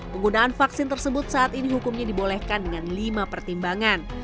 penggunaan vaksin tersebut saat ini hukumnya dibolehkan dengan lima pertimbangan